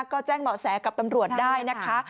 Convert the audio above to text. ก็แจ้งเบาะแสกับตำรวจได้นะคะ